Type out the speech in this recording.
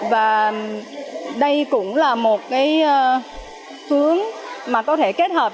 và đây cũng là một cái hướng mà có thể kết hợp